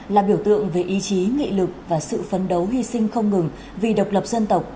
là biểu tượng về ý chí nghị lực và sự phấn đấu hy sinh không ngừng vì độc lập dân tộc